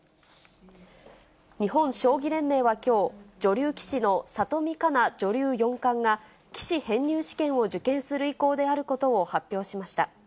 日本将棋連盟はきょう、女流棋士の里見香奈女流四冠が、棋士編入試験を受験する意向であることを発表しました。